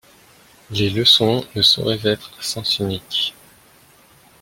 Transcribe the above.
Les leçons ne sauraient être à sens unique.